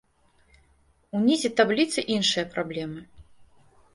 Унізе табліцы іншыя праблемы.